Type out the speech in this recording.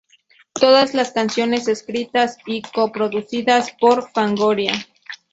Todas las canciones escritas y co-producidas por Fangoria.